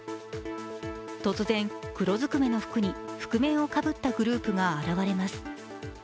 突然、黒ずくめの服に覆面をかぶったグループが現れます。